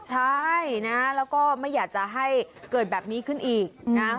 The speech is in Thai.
ใช่นะแล้วก็ไม่อยากจะให้เกิดแบบนี้ขึ้นอีกนะ